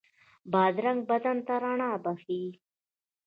بادرنګ بدن ته رڼا بښي.